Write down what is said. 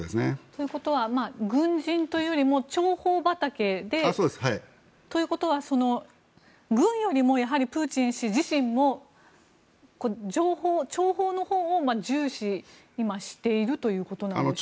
ということは軍人というよりも諜報畑でということは軍よりもプーチン氏自身も諜報のほうを重視しているということですか。